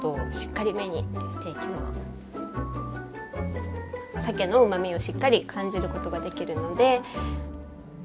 さけのうまみをしっかり感じることができるので。